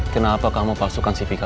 kenapa kamu pasukan sivika